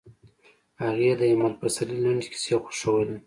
هغې د ایمل پسرلي لنډې کیسې خوښولې